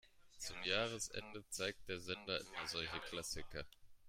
Zum Jahresende zeigt der Sender immer solche Klassiker.